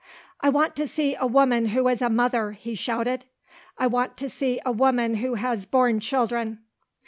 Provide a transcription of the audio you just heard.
"I want to see a woman who is a mother," he shouted. "I want to see a woman who has borne children."